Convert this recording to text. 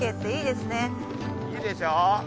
いいでしょ。